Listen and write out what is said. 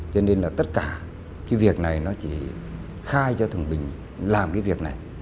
cho nên là tất cả cái việc này nó chỉ khai cho thường bình làm cái việc này